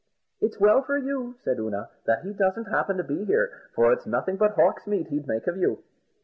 "It's well for you," said Oonagh, "that he doesn't happen to be here, for it's nothing but hawk's meat he'd make of you."